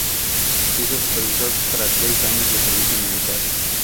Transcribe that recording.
Se hizo supervisor tras seis años de servicio militar.